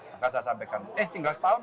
maka saya sampaikan eh tinggal setahun